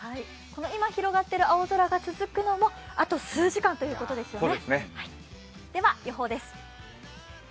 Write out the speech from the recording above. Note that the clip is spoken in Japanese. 今広がっている青空が続くのも、あと数時間ということですよね。